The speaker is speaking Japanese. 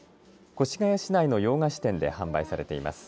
越谷市内の洋菓子店で販売されています。